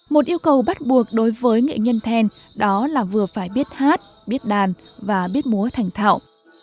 một yêu cầu bắt buộc đối với nghệ nhân then đó là vừa phải biết hát biết đàn và biết múa thành thạo